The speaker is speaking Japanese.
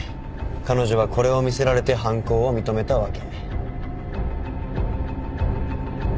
彼女はこれを見せられて犯行を認めたわけ。